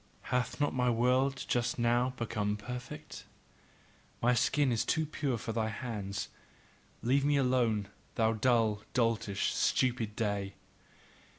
Hath not my world just now become perfect? My skin is too pure for thy hands. Leave me alone, thou dull, doltish, stupid day!